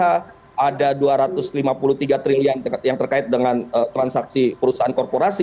ada dua ratus lima puluh tiga triliun yang terkait dengan transaksi perusahaan korporasi